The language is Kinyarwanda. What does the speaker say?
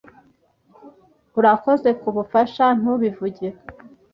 "Urakoze kubufasha." "Ntubivuge."